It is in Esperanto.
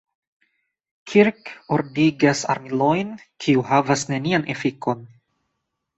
Kirk ordigas armilojn, kiu havas nenian efikon.